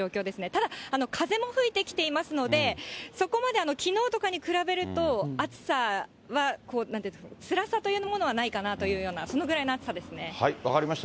ただ、風も吹いてきていますので、そこまできのうとかに比べると、暑さは、つらさというものはないかなというような、分かりました。